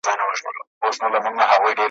چي کړي ډک د مځکي مخ له مخلوقاتو `